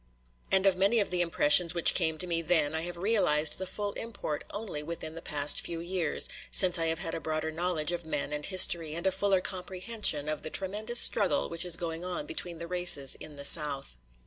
And of many of the impressions which came to me then I have realized the full import only within the past few years, since I have had a broader knowledge of men and history, and a fuller comprehension of the tremendous struggle which is going on between the races in the South.